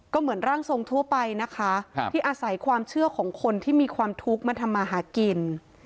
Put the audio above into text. ก็เหมือนร่างทรงทั่วไปนะคะที่อาศัยความเชื่อของคนที่มีความทุกข์มาทำมาหากิน